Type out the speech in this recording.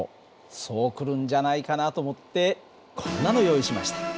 そう来るんじゃないかなと思ってこんなの用意しました。